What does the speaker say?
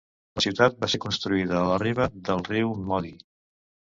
La ciutat va ser construïda a la riba del riu Modi.